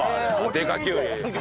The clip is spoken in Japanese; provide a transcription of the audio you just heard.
でかきゅうり。